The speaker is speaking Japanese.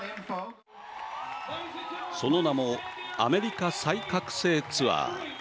その名もアメリカ再覚醒ツアー。